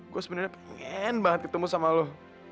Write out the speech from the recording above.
gue sebenarnya pengen banget ketemu sama lo